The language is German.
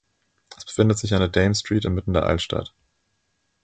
Es befindet sich an der "Dame Street" inmitten der Altstadt.